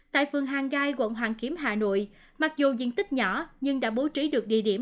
tại phường hàng gai quận hoàn kiếm hà nội mặc dù diện tích nhỏ nhưng đã bố trí được địa điểm